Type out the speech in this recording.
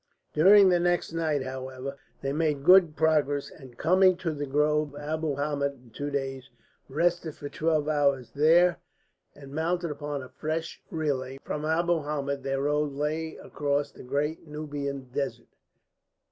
During the next night, however, they made good progress, and, coming to the groves of Abu Hamed in two days, rested for twelve hours there and mounted upon a fresh relay. From Abu Hamed their road lay across the great Nubian Desert.